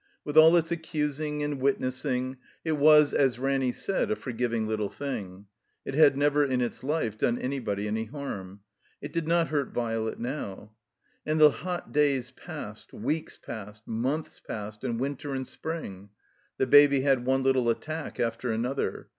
With all its ac cusing and witnessing, it was, as Ranny said, a for* giving little thing; it had never in its life done anybody any harm. It did not hurt Violet now. And the hot days passed; weeks passed; months passed, and winter and spring. The Baby had one little attack after another.